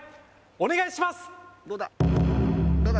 お願いします